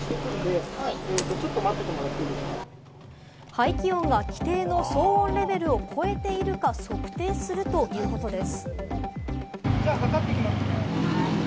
排気音が規定の騒音レベルを超えているか測定するということです。